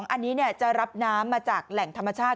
อันนี้จะรับน้ำมาจากแหล่งธรรมชาติ